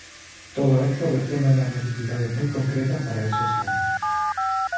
Todo esto responde a unas necesidades muy concretas para esos años.